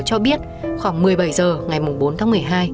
cho biết khoảng một mươi bảy h ngày bốn tháng một mươi hai